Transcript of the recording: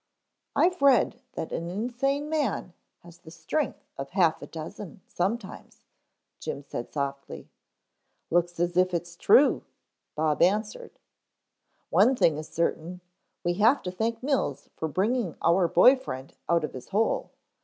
"I've read that an insane man has the strength of half a dozen sometimes," Jim said softly. "Looks as if it's true," Bob answered. "One thing is certain, we have to thank Mills for bringing our boy friend out of his hole.